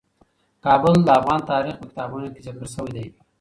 کابل د افغان تاریخ په کتابونو کې ذکر شوی دي.